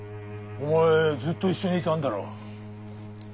お前ずっと一緒にいたんだろ。